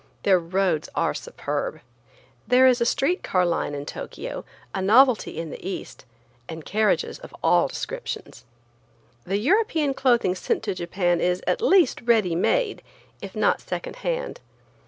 Their roads are superb. There is a street car line in Tokio, a novelty in the East, and carriages of all descriptions. The European clothing sent to Japan is at least ready made, if not second hand.